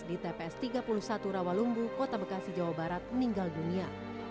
di tps tiga puluh satu rawalumbu kota bekasi jawa barat meninggal dunia